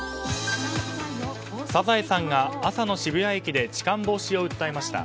サザエさんが朝の渋谷駅で痴漢防止を訴えました。